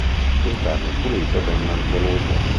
L'interno è pulito e ben mantenuto.